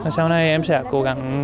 sau này em sẽ cố gắng